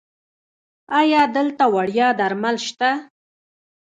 ایا دلته وړیا درمل شته؟